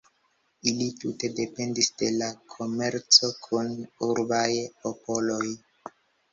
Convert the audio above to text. Ili tute dependis de la komerco kun urbaj popoloj.